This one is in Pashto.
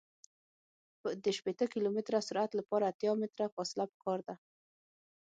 د شپیته کیلومتره سرعت لپاره اتیا متره فاصله پکار ده